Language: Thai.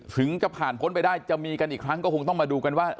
ถึงจะผ่านพ้นไปได้จะมีกันอีกครั้งก็คงต้องมาดูกันว่า